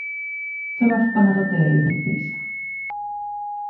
Tywallt banad o de i fi plis.